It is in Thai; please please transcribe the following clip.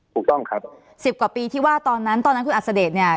ถูกต้องครับสิบกว่าปีที่ว่าตอนนั้นตอนนั้นคุณอัศเดชเนี่ย